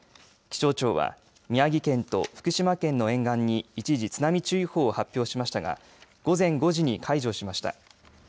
気象庁は宮城県と福島県の沿岸に一時、津波注意報を発表しましたが午前５時に解除しました。